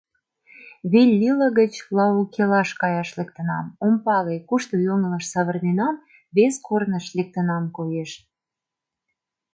Виллила гыч Лаукелаш каяш лектынам, ом пале, кушто йоҥылыш савырненам, вес корныш лектынам, коеш.